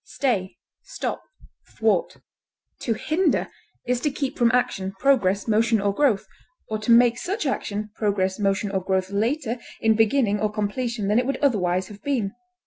check, encumber, interrupt, To hinder is to keep from action, progress, motion, or growth, or to make such action, progress, motion, or growth later in beginning or completion than it would otherwise have been.